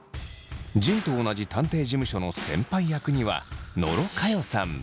仁と同じ探偵事務所の先輩役には野呂佳代さん。